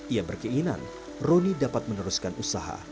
ia berkeinginan roni dapat meneruskan usaha